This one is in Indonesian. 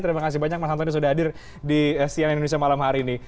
terima kasih banyak mas antoni sudah hadir di sian indonesia malam hari ini